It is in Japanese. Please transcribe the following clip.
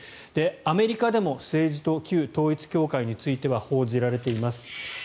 アメリカでも政治と旧統一教会については報じられています。